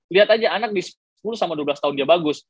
lihat aja anak di sepuluh sama dua belas tahun dia bagus